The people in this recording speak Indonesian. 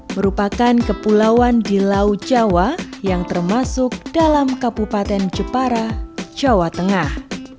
merupakan kepulauan di laut jawa yang termasuk dalam kabupaten jepara jawa tengah